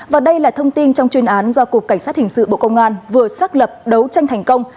và đây là thông tin trong chuyên án do cục cảnh sát hình sự bộ công an vừa xác lập đấu tranh thành công